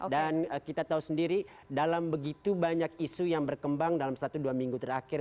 dan kita tahu sendiri dalam begitu banyak isu yang berkembang dalam satu dua minggu terakhir